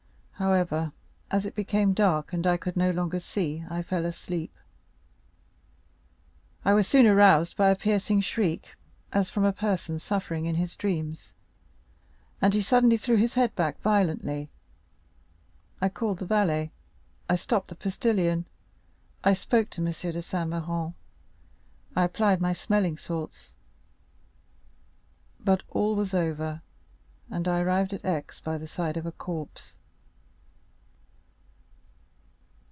However, as it became dark, and I could no longer see, I fell asleep; I was soon aroused by a piercing shriek, as from a person suffering in his dreams, and he suddenly threw his head back violently. I called the valet, I stopped the postilion, I spoke to M. de Saint Méran, I applied my smelling salts; but all was over, and I arrived at Aix by the side of a corpse."